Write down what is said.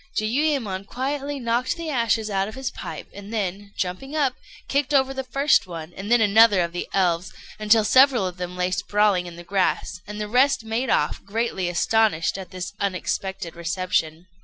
Jiuyémon quietly knocked the ashes out of his pipe, and then, jumping up, kicked over first one and then another of the elves, until several of them lay sprawling in the grass; and the rest made off, greatly astonished at this unexpected reception.